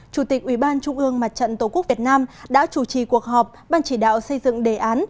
chủ tịch ubnd mặt trận tổ quốc việt nam đã chủ trì cuộc họp ban chỉ đạo xây dựng đề án